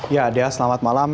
ya adit selamat malam